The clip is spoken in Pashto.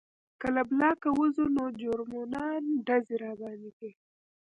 که له بلاک ووځو نو جرمنان ډزې راباندې کوي